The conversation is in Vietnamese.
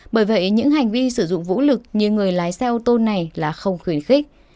bởi vậy những hành vi sử dụng vũ lực như người lái xe ô tô này là không khuyến khích